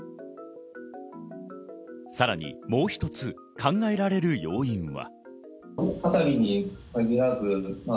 さらにもう一つ考えられる要因は。